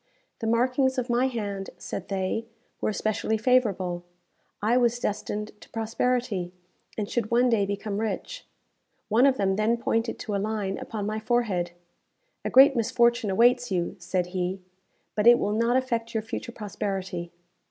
The markings of my hand, said they, were especially favourable. I was destined to prosperity, and should one day become rich. One of them then pointed to a line upon my forehead. "A great misfortune awaits you," said he; "but it will not affect your future prosperity."